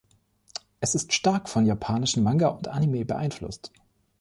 Es ist stark von japanischen Manga und Anime beeinflusst.